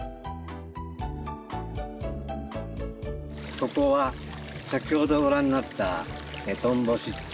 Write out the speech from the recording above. ここは先ほどご覧になったトンボ湿地